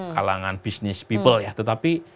kalangan bisnis people ya tetapi